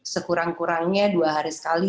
sekurang kurangnya dua hari sekali